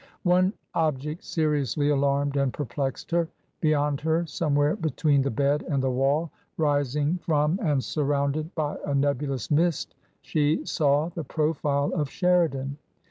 One object seriously alarmed and perplexed her. Be yond her, somewhere between the bed and the wall, rising from and surrounded by a nebulous mist, she saw the profile of Sheridan.